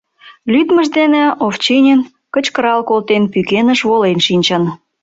Лӱдмыж дене Овчинин кычкырал колтен, пӱкеныш волен шинчын.